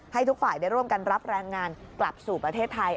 ให้ทุกฝ่ายได้ร่วมกันรับแรงงานกลับสู่ประเทศไทย